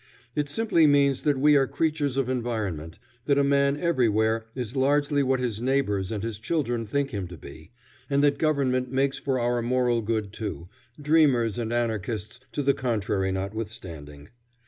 It simply means that we are creatures of environment, that a man everywhere is largely what his neighbors and his children think him to be, and that government makes for our moral good too, dreamers and anarchists to the contrary notwithstanding.